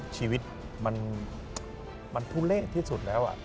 ชีวิตมันทุเล่ที่สุดแล้ว